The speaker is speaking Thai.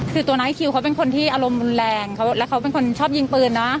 คือตัวน้อยคิวเขาเป็นคนที่อารมณ์รุนแรงแล้วเขาเป็นคนชอบยิงปืนเนอะ